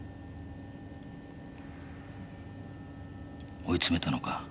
追い詰めたのか？